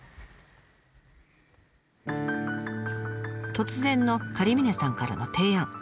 突然の狩峰さんからの提案。